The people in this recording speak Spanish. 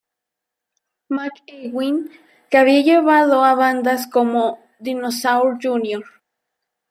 McEwen, que había llevado a bandas como Dinosaur Jr.